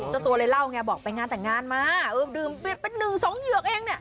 เจ้าตัวเลยเล่าไงบอกไปงานแต่งงานมาเออดื่มเป็นหนึ่งสองเหยือกเองเนี่ย